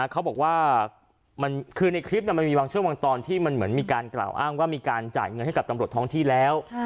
เขาบอกว่าคือในคลิปมันมีบางช่วงบางตอนที่มันเหมือนมีการกล่าวอ้างว่ามีการจ่ายเงินให้กับตำรวจท้องที่แล้ว